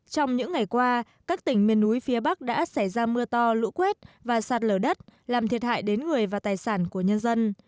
trong những ngày qua các tỉnh miền núi phía bắc đã xảy ra mưa to lũ quét và sạt lở đất làm thiệt hại đến người và tài sản của nhân dân